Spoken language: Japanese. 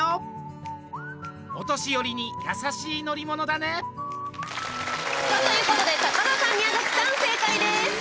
お年寄りに優しい乗り物だね。ということで高田さん、宮崎さん、正解です。